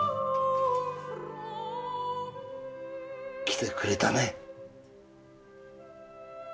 来てくれたね。